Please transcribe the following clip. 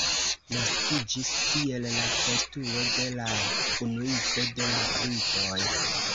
Naskiĝis tiel la postulo de la unuigo de la ritoj.